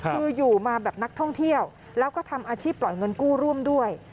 คืออยู่มาแบบนักท่องเที่ยวแล้วก็ทำอาชีพปล่อยเงินกู้ร่วมด้วย